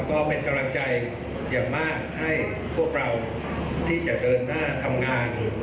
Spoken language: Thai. ก็เป็นกำลังใจอย่างมากให้พวกเราที่จะเดินหน้าทำงาน